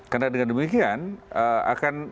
karena dengan demikian akan